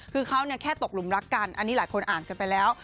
คือเขาแค่ตกหลุมรักกันอันนี้หลายคนอ่านกันไปแล้ว